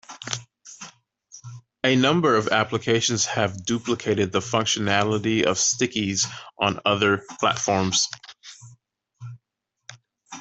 A number of applications have duplicated the functionality of Stickies on other platforms.